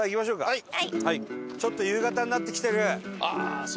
はい。